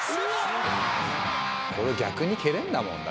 これ逆に蹴れんだもんな。